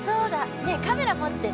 ねえカメラ持ってる？